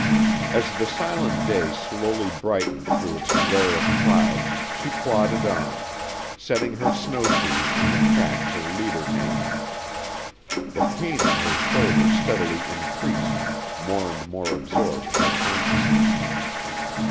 As the silent day slowly brightened through its glare of clouds, she plodded on, setting her snowshoes in the tracks her leader made. The pain in her shoulder steadily increased, more and more absorbed her consciousness.